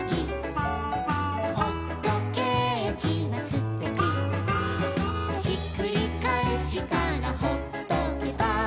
「ほっとけーきはすてき」「ひっくりかえしたらほっとけば」